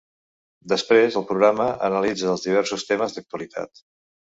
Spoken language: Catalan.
Després el programa analitza els diversos temes d'actualitat.